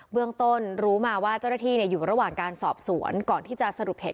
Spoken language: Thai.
เมื่อตอนนั้นตำรวจเขามาทำอะไรหน้าร้า